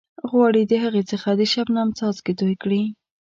غواړئ د هغې څخه د شبنم څاڅکي توئ کړئ.